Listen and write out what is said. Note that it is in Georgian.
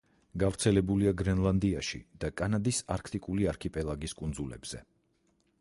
გავრცელებულია გრენლანდიაში და კანადის არქტიკული არქიპელაგის კუნძულებზე.